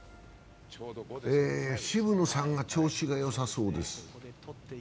渋野さんが調子がよさそうです。